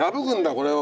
これを！